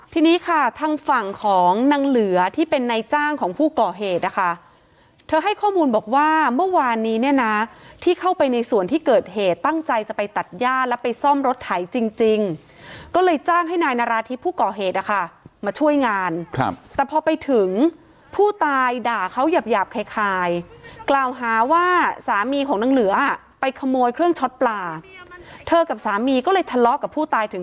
ที่นี้ค่ะทางฝั่งของนางเหลือที่เป็นนายจ้างของผู้ก่อเหตุอ่ะค่ะเธอให้ข้อมูลบอกว่าเมื่อวานนี้เนี่ยนะที่เข้าไปในส่วนที่เกิดเหตุตั้งใจจะไปตัดย่าแล้วไปซ่อมรถไถจริงจริงก็เลยจ้างให้นายนราธิผู้ก่อเหตุอ่ะค่ะมาช่วยงานครับแต่พอไปถึงผู้ตายด่าเขาหยาบหยาบคลายคลายกล่าวหาว่าสามีของนางเหลือ